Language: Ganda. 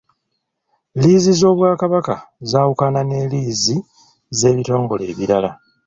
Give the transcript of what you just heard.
Liizi z’Obwakabaka zaawukana ne liizi z'ebitongole ebirala.